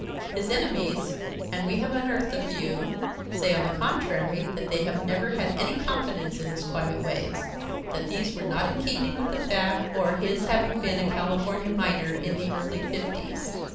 His enemies, and we have unearthed a few, say, on the contrary, that they have never had any confidence in his quiet ways; that these were not in keeping with the fact or his having been a California miner in the early fifties.